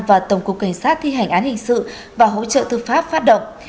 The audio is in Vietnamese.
và tổng cục cảnh sát thi hành án hình sự và hỗ trợ tư pháp phát động